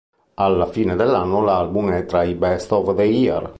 Alla fine dell'anno l'album è tra i Best of the Year.